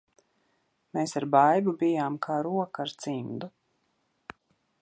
Mēs ar Baibu bijām kā roka ar cimdu.